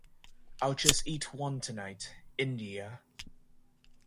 I’ll just eat one tonight, India.